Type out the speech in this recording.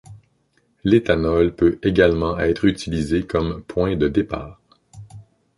L'éthanol peut également être utilisé comme point de départ.